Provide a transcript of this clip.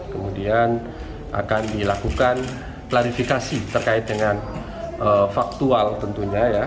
kemudian akan dilakukan klarifikasi terkait dengan faktual tentunya ya